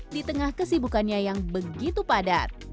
di tengah kesibukannya yang begitu padat